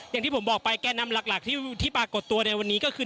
อย่างที่ผมบอกไปแก่นำหลักที่ปรากฏตัวในวันนี้ก็คือ